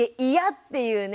っていうね